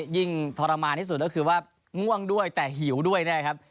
ยิ่งทรมานที่สุดก็คือว่าง่วงด้วยแต่หิวด้วยนะครับ